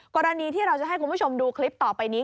กรณีที่เราจะให้คุณผู้ชมดูคลิปต่อไปนี้